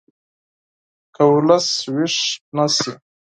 که ولس ویښ نه شي